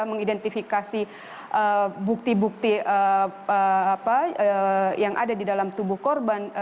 mengidentifikasi bukti bukti yang ada di dalam tubuh korban